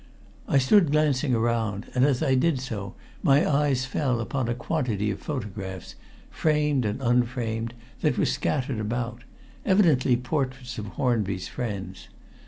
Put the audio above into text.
I stood glancing around, and as I did so my eyes fell upon a quantity of photographs, framed and unframed, that were scattered about evidently portraits of Hornby's friends.